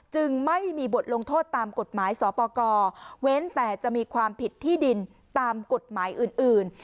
จึงไม่มีบทลงโทษตามกฎหมายสปกรเว้นแต่จะมีความผิดที่ดินตามกฎหมายอื่น